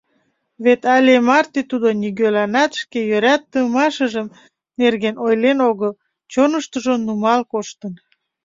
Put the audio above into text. Вет але марте тудо нигӧланат шке йӧратымашыж нерген ойлен огыл, чоныштыжо нумал коштын.